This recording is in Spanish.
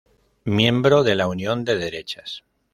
Miembro de la Unión de Derechas.